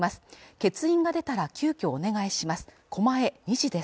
欠員が出たら急遽をお願いします